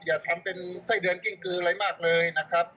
อย่าทำเป็นไส้เดือนกิ้งกืออะไรมากเลยนะครับ